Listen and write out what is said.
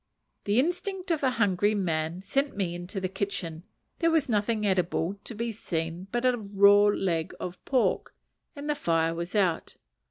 The instinct of a hungry man sent me into the kitchen; there was nothing eatable to be seen but a raw leg of pork, and the fire was out.